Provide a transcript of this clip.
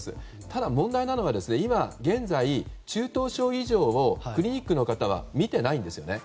ただ、問題なのが今現在中等症以上をクリニックの方は見てないんですね。